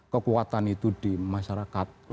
kekuatan itu di masyarakat